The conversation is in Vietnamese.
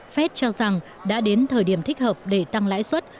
fed cho rằng đã đến thời điểm thích hợp để tăng lãi suất